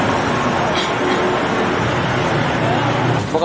สวัสดีทุกคน